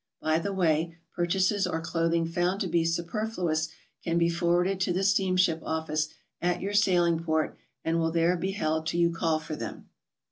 By the way, pur chases or clothing found to be superfluous can be forwarded to the steamship office at your sailing port and will there be held till you call for them.